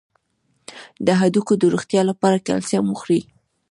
د هډوکو د روغتیا لپاره کلسیم وخورئ